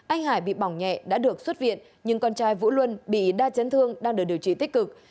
anh hải bị bỏng nhẹ đã được xuất viện nhưng con trai vũ luân bị đa chấn thương đang được điều trị tích cực